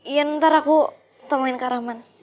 iya ntar aku temuin kak rahman